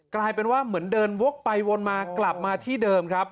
กลายเป็นว่าเหมือนเดินวกไปวนมากลับมาที่เดิมครับ